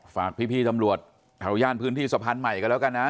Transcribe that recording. ฝากพี่ตำรวจแถวย่านพื้นที่สะพานใหม่กันแล้วกันนะ